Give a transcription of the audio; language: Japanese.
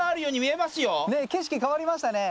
ねえ景色変わりましたね。